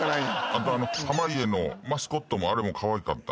あとあの濱家のマスコットもあれもかわいかったね。